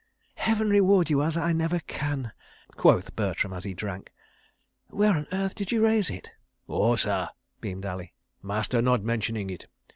"Heaven reward you as I never can," quoth Bertram, as he drank. "Where on earth did you raise it?" "Oh, sah!" beamed Ali. "Master not mentioning it.